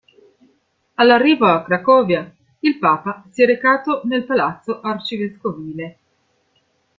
All'arrivo a Cracovia il Papa si è recato nel Palazzo Arcivescovile.